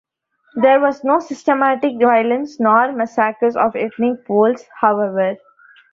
There was no systematic violence nor massacres of ethnic Poles, however.